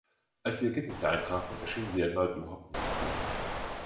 Als die Ergebnisse eintrafen, erschien sie erneut überhaupt nicht grün.